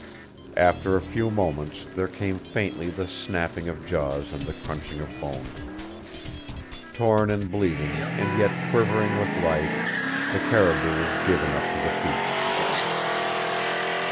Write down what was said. After a few moments there came faintly the snapping of jaws and the crunching of bones. Torn and bleeding, and yet quivering with life, the caribou was given up to the feast.